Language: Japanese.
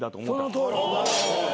そのとおり。